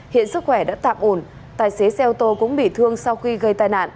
hiện sức khỏe đã tạm ổn tài xế xe ô tô cũng bị thương sau khi gây tai nạn